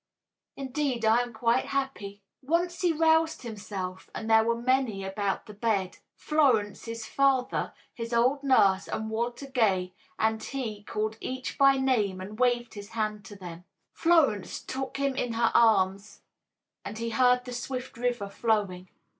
Indeed, I am quite happy." Once he roused himself, and there were many about the bed: Florence, his father, his old nurse and Walter Gay, and he called each by name and waved his hand to them. Florence took him in her arms and he heard the swift river flowing.